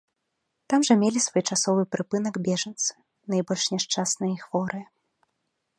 Там жа мелі свой часовы прыпынак бежанцы, найбольш няшчасныя і хворыя.